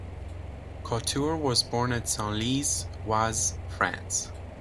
Couture was born at Senlis, Oise, France.